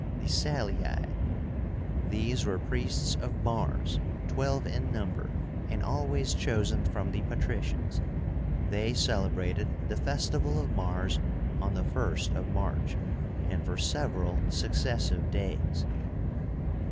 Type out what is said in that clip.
THE SALII. These were priests of Mars, twelve in number, and always chosen from the patricians. They celebrated the festival of Mars on the 1st of March, and for several successive days.